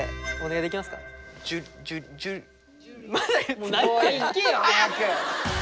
もう行けよ早く。